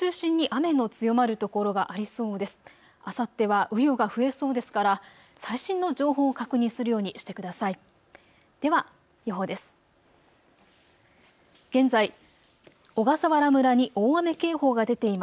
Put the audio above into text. あさっては雨量が増えそうですから最新の情報を確認するようにしてください。